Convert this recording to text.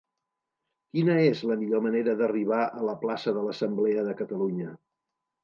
Quina és la millor manera d'arribar a la plaça de l'Assemblea de Catalunya?